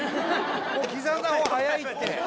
もう刻んだ方が早いって。